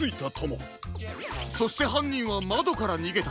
そしてはんにんはまどからにげたと。